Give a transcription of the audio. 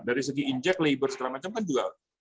dari segi inject labor segala macam kan juga